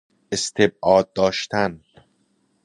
استبعاد داشتن